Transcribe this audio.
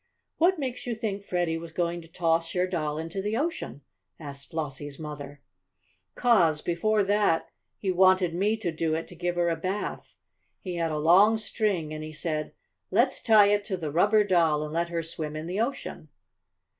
"What makes you think Freddie was going to toss your doll into the ocean?" asked Flossie's mother. "'Cause, before that he wanted me to do it to give her a bath. He had a long string and he said, 'let's tie it to the rubber doll and let her swim in the ocean.'"